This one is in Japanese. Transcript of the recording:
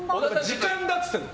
時間だって言ってるの！